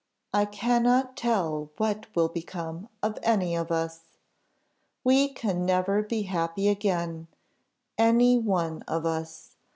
"I cannot tell what will become of any of us. We can never be happy again any one of us.